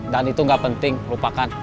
dan itu gak penting lupakan